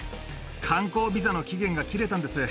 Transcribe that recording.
観光ビザの期限が切れたんです。